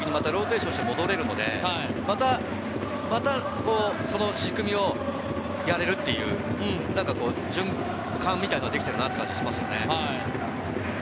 あとは行き過ぎだときに、またローテーションして戻れるので、また、その仕組みをやれるっていう、何か循環みたいなものができてる感じがしますね。